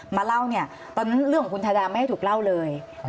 มาเล่าเนี่ยตอนนั้นเรื่องของคุณทาดาไม่ให้ถูกเล่าเลย